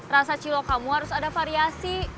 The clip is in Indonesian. rasa cilok kamu harus ada variasi